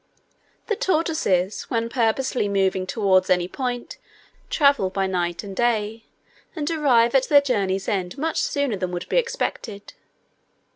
The tortoises, when purposely moving towards any point, travel by night and day, and arrive at their journey's end much sooner than would be expected.